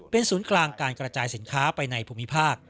เป็นศูนย์กลางการกระจายสินค้าไปในภูมิภาค